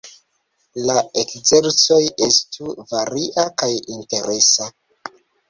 La ekzercoj estu varia kaj interesa.